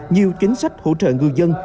nhiều chính sách hỗ trợ ngư dân